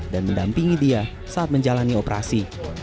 dan mendampingi dia saat menjalani operasi